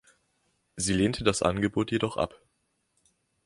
Sie lehnte das Angebot jedoch ab.